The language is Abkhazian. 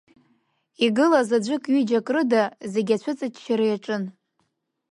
Игылаз аӡәык-ҩыџьак рыда зегьы ацәыҵаччара иаҿын.